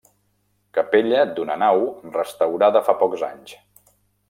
Capella d'una nau restaurada fa pocs anys.